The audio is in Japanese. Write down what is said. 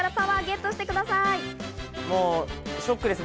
もうショックです。